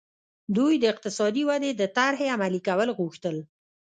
دوی د اقتصادي ودې د طرحې عملي کول غوښتل.